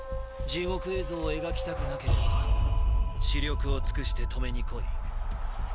地獄絵図を描きたくなければ死力を尽くして止めに来い。